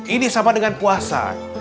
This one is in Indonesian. ini sama dengan puasa